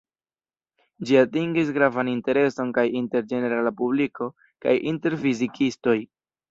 Ĝi atingis gravan intereson kaj inter ĝenerala publiko, kaj inter fizikistoj.